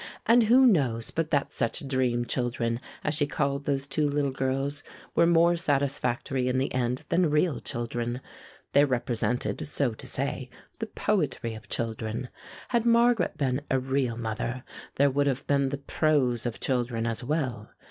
And who knows but that such dream children, as she called those two little girls, were more satisfactory in the end than real children? They represented, so to say, the poetry of children. Had Margaret been a real mother, there would have been the prose of children as well.